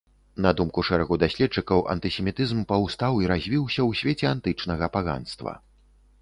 На думку шэрагу даследчыкаў, антысемітызм паўстаў і развіўся ў свеце антычнага паганства.